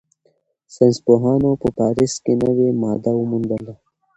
ساینسپوهانو په پاریس کې نوې ماده وموندله.